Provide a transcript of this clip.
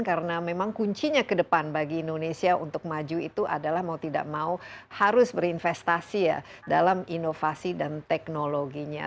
karena memang kuncinya ke depan bagi indonesia untuk maju itu adalah mau tidak mau harus berinvestasi ya dalam inovasi dan teknologinya